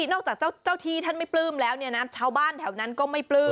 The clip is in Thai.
จากเจ้าที่ท่านไม่ปลื้มแล้วเนี่ยนะชาวบ้านแถวนั้นก็ไม่ปลื้ม